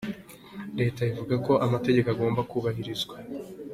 Leta ivuga ko amategeko agomba kubahirizwa.